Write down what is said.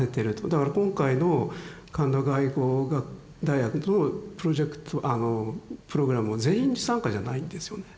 だから今回の神田外語大学のプロジェクトプログラムを全員参加じゃないんですよね。